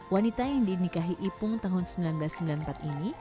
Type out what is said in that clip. wanita yang dinikahi ipung tahun seribu sembilan ratus sembilan puluh empat ini